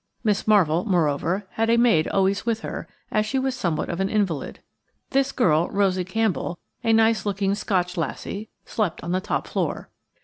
Miss Marvell, moreover, had a maid always with her, as she was somewhat of an invalid. This girl, Rosie Campbell, a nice looking Scotch lassie, slept on the top floor.